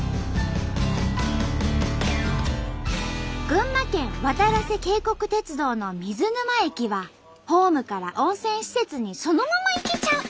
群馬県わたらせ渓谷鉄道の水沼駅はホームから温泉施設にそのまま行けちゃう！